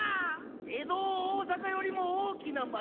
江戸を大坂よりも大きな町に。